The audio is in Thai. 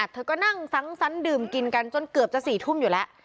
เธอก็นั่งสังสรรค์ดื่มกินกันจนเกือบจะ๔ทุ่มอยู่แล้ว